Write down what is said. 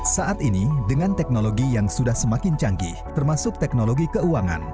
saat ini dengan teknologi yang sudah semakin canggih termasuk teknologi keuangan